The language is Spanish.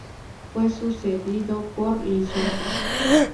Fue sucedido por Licurgo.